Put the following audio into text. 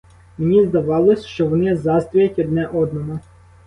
Мені здавалось, що вони заздрять одне одному.